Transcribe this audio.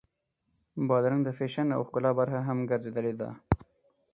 بادرنګ د فیشن او ښکلا برخه هم ګرځېدلې ده.